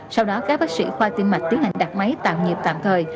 sau đó các bác sĩ khoa tiêm mạch tiến hành đặt máy tạm nhiệm tạm thời